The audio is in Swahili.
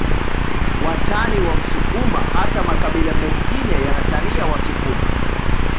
Watani wa msukuma hata makabila mengine yanatania wasukuma